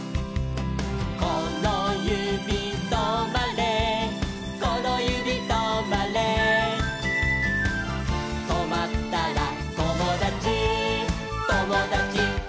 「このゆびとまれこのゆびとまれ」「とまったらともだちともだちとまれ」